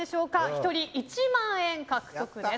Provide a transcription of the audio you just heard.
１人１万円獲得です。